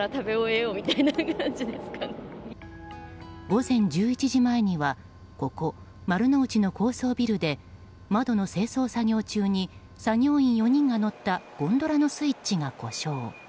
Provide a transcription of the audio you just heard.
午前１１時前にはここ丸の内の高層ビルで窓の清掃作業中に作業員４人が乗ったゴンドラのスイッチが故障。